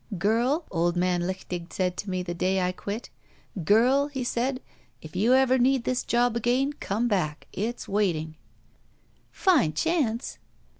Girl,' old man Lichtig said to me the day I quit — 'girl,' he said, *if ever you need this job again, comeback; it's waiting.'" "Fine chance!"